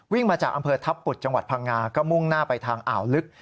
มาจากอำเภอทัพปุดจังหวัดพังงาก็มุ่งหน้าไปทางอ่าวลึก